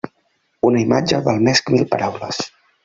Una imatge val més que mil paraules.